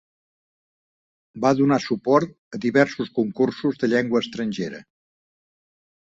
Va donar suport a diversos concursos de llengua estrangera.